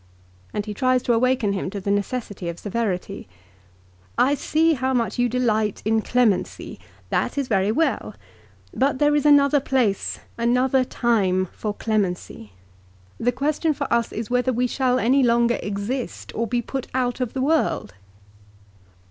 And he tries to awaken him to the necessity of severity. " I see how much you delight in clemency. That is very well. But there is another place, another time, for clemency. The question for us is whether we shall any longer exist or be put out of the world."